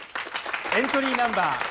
エントリーナンバー